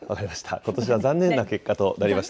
ことしは残念な結果となりました。